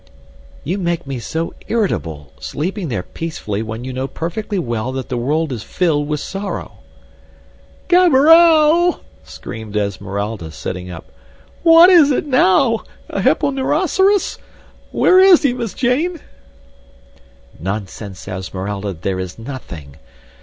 "You make me so irritable, sleeping there peacefully when you know perfectly well that the world is filled with sorrow." "Gaberelle!" screamed Esmeralda, sitting up. "What is it now? A hipponocerous? Where is he, Miss Jane?" "Nonsense, Esmeralda, there is nothing.